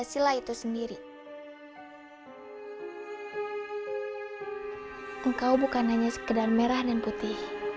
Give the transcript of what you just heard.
film berjudul kain karya pelajar sman sebelas bandung